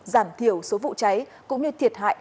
giảm thiểu số vụ cháy cũng như thiệt hại